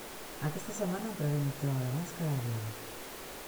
Aquesta setmana entraré mitja hora abans cada dia.